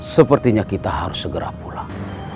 sepertinya kita harus segera pulang